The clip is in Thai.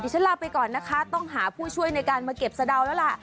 ฉันลาไปก่อนนะคะต้องหาผู้ช่วยในการมาเก็บสะดาวแล้วล่ะ